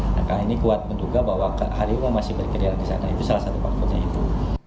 nah ini kuat menduga bahwa harimau masih bergeriaran disana itu salah satu faktornya itu